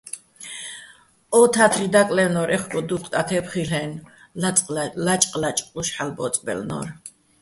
ო თათაჲრი̆ დაკლაჲვნო́რ, ეჴუჲგო დუჴ ტათებ ხილ'ო-აჲნო̆, ლაჭყ-ლაჭყუშ ჰ̦ალო̆ ბო́წბაჲლნო́რ.